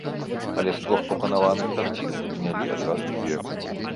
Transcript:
Але з трох прапанаваных карцін прынялі адразу дзве.